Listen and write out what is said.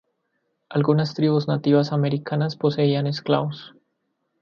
Algunas tribus nativas americanas poseían esclavos.